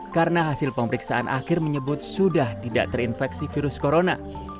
karena hasil pemeriksaan akhir menyebut sudah tidak terinfeksi virus corona